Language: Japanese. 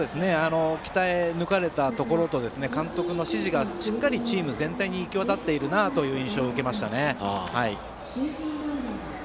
鍛え抜かれたところと監督の指示がしっかりチーム全体に行き渡っているなという印象を受けましたね。